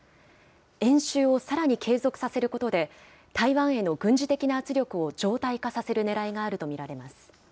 演習をさらに継続させることで、台湾への軍事的な圧力を常態化させるねらいがあると見られます。